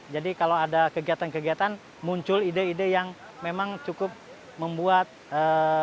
jadi kalau ada kegiatan kegiatan muncul ide ide yang memang cukup membuat preklarasi edukasinya luar biasa